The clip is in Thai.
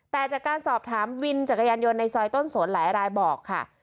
แต่จากการสอบถามวินจักรยานยนต์ในซอยต้นสนหลายรายบอกค่ะ